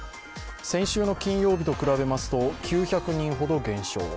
先週の金曜日と比べますと９００人ほど減少。